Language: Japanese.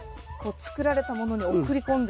作られたものに送り込んでるんですね。